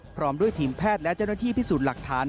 พร้อมด้วยทีมแพทย์และเจ้าหน้าที่พิสูจน์หลักฐาน